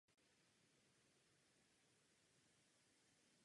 Působil i jako ředitel této banky.